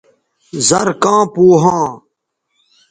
زر کاں پو ھاں